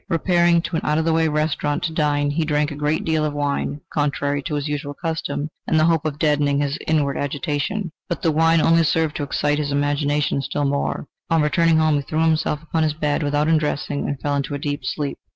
Repairing to an out of the way restaurant to dine, he drank a great deal of wine, contrary to his usual custom, in the hope of deadening his inward agitation. But the wine only served to excite his imagination still more. On returning home, he threw himself upon his bed without undressing, and fell into a deep sleep.